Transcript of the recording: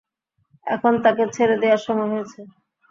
এখন তাকে ছেড়ে দেয়ার সময় হয়েছে।